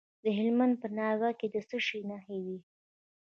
د هلمند په ناوې کې د څه شي نښې دي؟